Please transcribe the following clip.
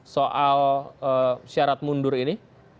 soal syarat mundur ini